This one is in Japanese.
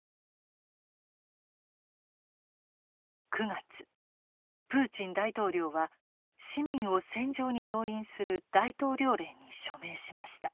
９月プーチン大統領は市民を戦場に動員する大統領令に署名しました。